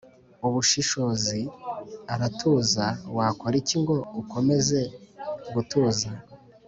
Ubushishozi aratuza wakora iki ngo ukomeze gutuza